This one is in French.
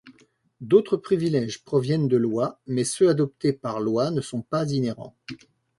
D’autres privilèges proviennent de lois, mais ceux adoptés par loi ne sont pas inhérents.